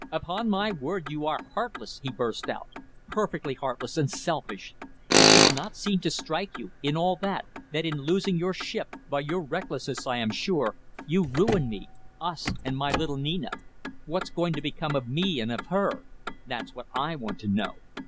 "Upon my word, you are heartless," he burst out; "perfectly heartless and selfish. It does not seem to strike you in all that that in losing your ship by your recklessness, I am sure you ruin me us, and my little Nina. What's going to become of me and of her? That's what I want to know.